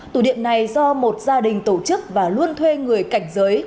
tụ điểm này do một gia đình tổ chức và luôn thuê người cảnh giới